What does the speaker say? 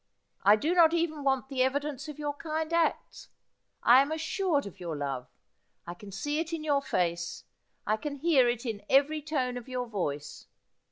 I do not even want the evidence of your kind acts. I am assured of your love. I can see it in your face ; I can hear it in every tone of your voice.